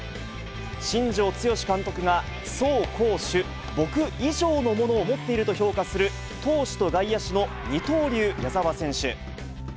新庄剛志監督が走攻守、僕以上のものを持っていると評価する投手と外野手の二刀流、矢澤選手。